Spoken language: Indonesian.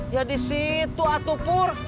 ya di situ atupur